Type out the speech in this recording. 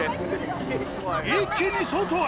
一気に外へ！